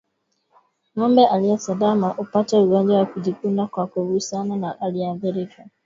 Ngombe aliye salama hupata ugonjwa wa kujikuna kwa kugusana na aliyeathirika